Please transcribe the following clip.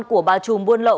của bà trùm buôn nguyễn